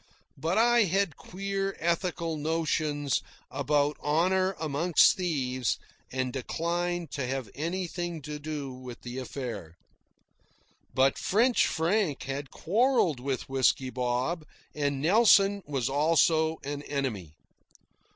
But I had queer ethical notions about honour amongst thieves, and declined to have anything to do with the affair. But French Frank had quarrelled with Whisky Bob, and Nelson was also an enemy.